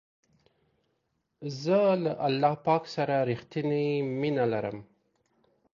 زه له الله پاک سره رښتنی مینه لرم.